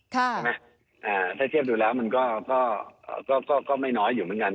ใช่ไหมถ้าเทียบดูแล้วมันก็ก็ไม่น้อยอยู่เหมือนกัน